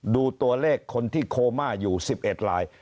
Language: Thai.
ดูตัวเลขคนที่โคม่าอยู่๑๑ลาย